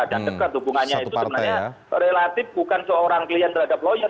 dan tegak dukungannya itu sebenarnya relatif bukan seorang klien terhadap lawyer